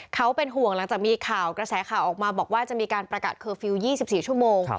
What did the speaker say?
เขาเป็นห่วงหลังจากมีข่าวกระแสข่าวออกมาบอกว่าจะมีการประกาศเคอร์ฟิลล์๒๔ชั่วโมง